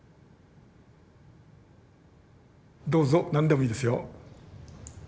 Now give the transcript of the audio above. どうぞ何でもいいですよ。